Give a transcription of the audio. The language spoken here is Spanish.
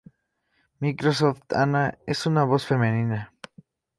Microsoft Anna es una voz femenina.